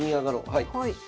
はい。